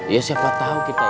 ya siapa tau kita